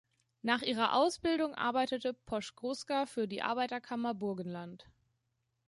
Nach ihrer Ausbildung arbeitete Posch-Gruska für die Arbeiterkammer Burgenland.